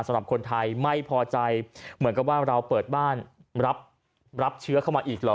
สำหรับคนไทยไม่พอใจเหมือนกับว่าเราเปิดบ้านรับเชื้อเข้ามาอีกเหรอ